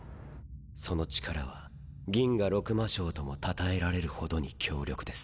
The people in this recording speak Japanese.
その力は銀河六魔将ともたたえられるほどに強力です。